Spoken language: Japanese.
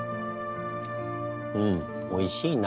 うんおいしいな。